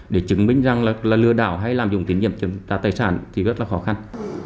để chứng minh rằng là lừa đảo hay làm dụng tín nhiệm cho tài sản thì rất là khó khăn